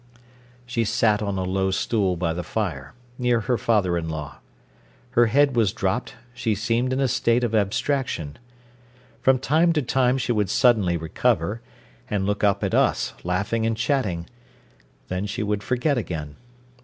She sat on a low stool by the fire, near her father in law. Her head was dropped, she seemed in a state of abstraction. From time to time she would suddenly recover, and look up at us, laughing and chatting. Then she would forget again.